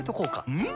うん！